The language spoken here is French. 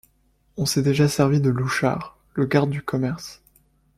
On s’est déjà servi de Louchard, le Garde du Commerce.